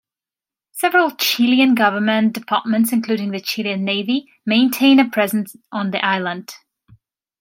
Several Chilean government departments including the Chilean Navy maintain a presence on the island.